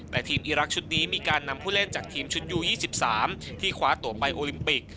แต่ทีมอีรักษ์ชุดนี้มีการนำผู้เล่นจากทีมชุดยู๒๓ที่คว้าตัวไปโอลิมปิก